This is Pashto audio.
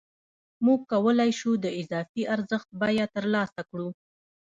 موږ کولای شو د اضافي ارزښت بیه ترلاسه کړو